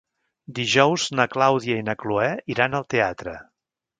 Dijous na Clàudia i na Cloè iran al teatre.